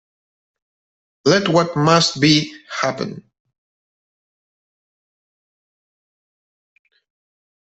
Let what must be, happen.